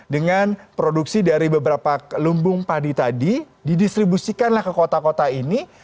dengan produksi dari beberapa lumbung padi tadi didistribusikanlah ke kota kota ini